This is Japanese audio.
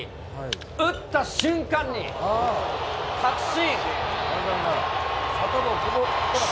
打った瞬間に、確信。